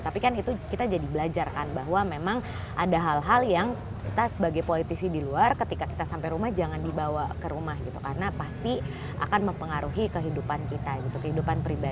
tapi kan itu kita jadi belajar kan bahwa memang ada hal hal yang kita sebagai politisi di luar ketika kita sampai rumah jangan dibawa ke rumah gitu karena pasti akan mempengaruhi kehidupan kita gitu kehidupan pribadi